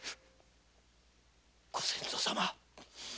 御先祖様